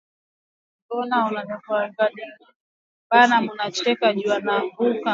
Bana mucheka ju anaanguka